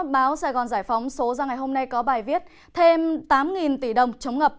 báo sài gòn giải phóng số ra ngày hôm nay có bài viết thêm tám tỷ đồng chống ngập